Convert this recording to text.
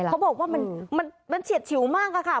เขาบอกว่ามันเฉียดฉิวมากค่ะ